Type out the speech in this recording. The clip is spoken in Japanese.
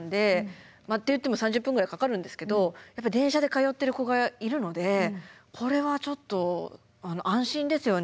っていっても３０分ぐらいかかるんですけど電車で通ってる子がいるのでこれはちょっと安心ですよね。